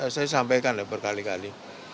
saya sampaikan lah berkali kali